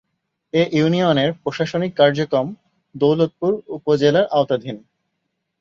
এ ইউনিয়নের প্রশাসনিক কার্যক্রম দৌলতপুর উপজেলার আওতাধীন